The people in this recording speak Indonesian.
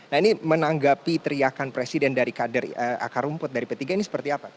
nah ini menanggapi teriakan presiden dari kader akar rumput dari p tiga ini seperti apa